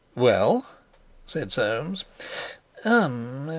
"Well?" said Soames. "Um!"